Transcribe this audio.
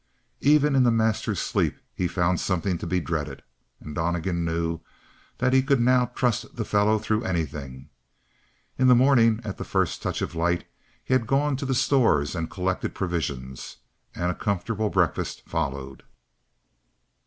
Even in the master's sleep he found something to be dreaded, and Donnegan knew that he could now trust the fellow through anything. In the morning, at the first touch of light, he had gone to the stores and collected provisions. And a comfortable breakfast followed.